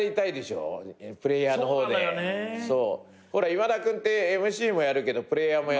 今田君ってＭＣもやるけどプレイヤーもやる。